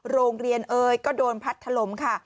โรงเรียนเอ่ยก็โดนพัดถล่มค่ะ